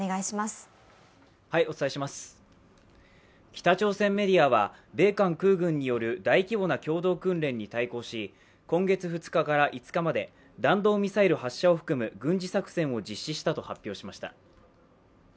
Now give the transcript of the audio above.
北朝鮮メディアは米韓空軍による大規模な共同訓練に対向し、今月２日から５日まで、弾道ミサイル発射を含む軍事作戦を実施したと発表しました。